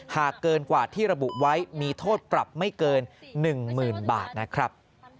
หากเกินกว่าที่ระบุไว้มีโทษปรับไม่เกิน๑๐๐๐บาทนะครับ